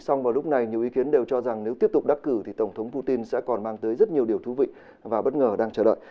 xong vào lúc này nhiều ý kiến đều cho rằng nếu tiếp tục đắc cử thì tổng thống putin sẽ còn mang tới rất nhiều điều thú vị và bất ngờ đang chờ đợi